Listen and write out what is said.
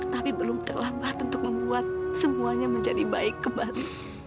tapi belum terlambat untuk membuat semuanya menjadi baik kembali